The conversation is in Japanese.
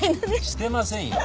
してませんよ。